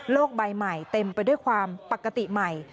ใบใหม่เต็มไปด้วยความปกติใหม่